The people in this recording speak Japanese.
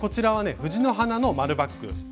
藤の花の丸バッグ。